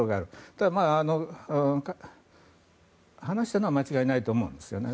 ただ、話したのは間違いないと思うんですね。